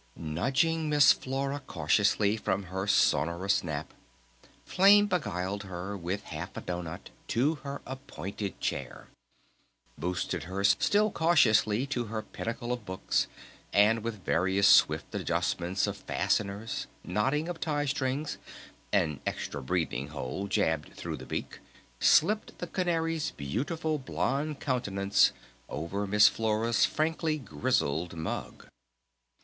Nudging Miss Flora cautiously from her sonorous nap, Flame beguiled her with half a doughnut to her appointed chair, boosted her still cautiously to her pinnacle of books, and with various swift adjustments of fasteners, knotting of tie strings, an extra breathing hole jabbed through the beak, slipped the canary's beautiful blond countenance over Miss Flora's frankly grizzled mug.